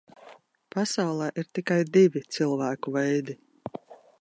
Pasaulē ir tikai divi cilvēku veidi.